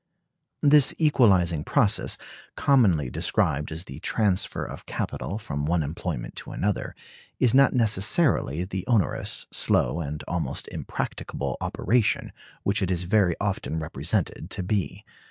This equalizing process, commonly described as the transfer of capital from one employment to another, is not necessarily the onerous, slow, and almost impracticable operation which it is very often represented to be.